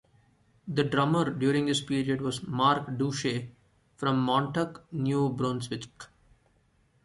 The drummer during this period was Marc Doucet from Moncton, New Brunswick.